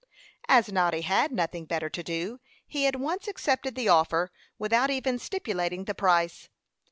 As Noddy had nothing better to do, he at once accepted the offer, without even stipulating the price.